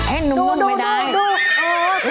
ให้หนุ่มไม่ได้ดู